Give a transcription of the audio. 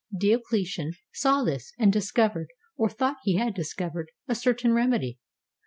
Diocletian saw this, and discovered, or thought he had discovered, a certain remedy.